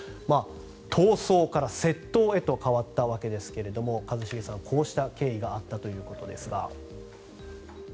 逃走から窃盗へと変わったわけですが一茂さん、こうした経緯があったということですが。